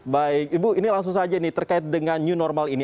baik ibu ini langsung saja ini terkait dengan new normal ini